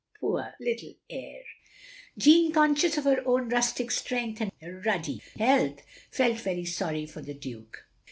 Poor "Uttleheir'M. Jeanne, conscious of her own rustic strength and ruddy health, felt very sorry for the Duke.